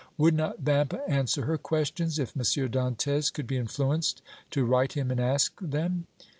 Would not Vampa answer her questions if M. Dantès could be influenced to write him and ask them?